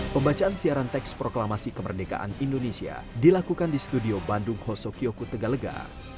pembacaan siaran teks proklamasi kemerdekaan indonesia dilakukan di studio bandung hosokyoku tegalega